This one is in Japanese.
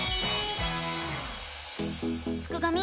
すくがミ！